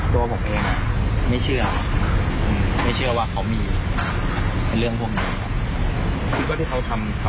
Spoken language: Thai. ผมว่าบอกเองไม่เชื่อไม่เชื่อว่าเค้ามีเป็นเรื่องพวกนี้อะ